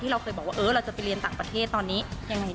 เราเคยบอกว่าเออเราจะไปเรียนต่างประเทศตอนนี้ยังไง